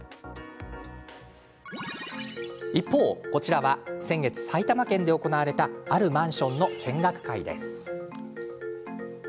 一方、こちらは先月、埼玉県で行われたあるマンションの見学会です。